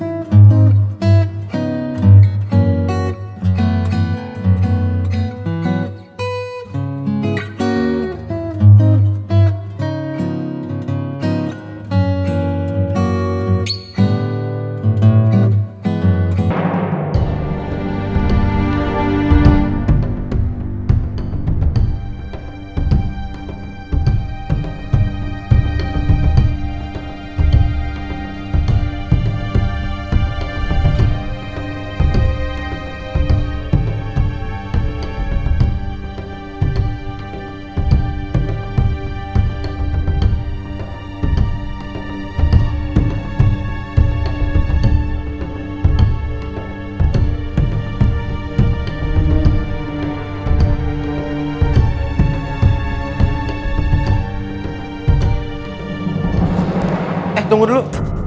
eh tunggu dulu